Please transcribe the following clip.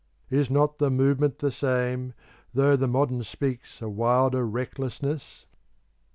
Is not the movement the same, though the modern speaks a wilder recklessness?